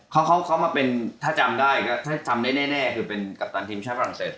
เพราะเขามาเป็นถ้าจำได้กัปตันทีมชาติฝรั่งเศส